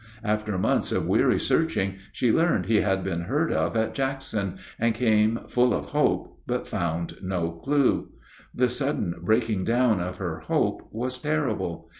After months of weary searching she learned he had been heard of at Jackson, and came full of hope, but found no clue. The sudden breaking down of her hope was terrible.